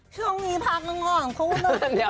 ช่วงนี้พักละง่อนคุณนะ